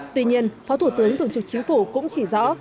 tuy nhiên phó thủ tướng thường trực chính phủ cũng chỉ rõ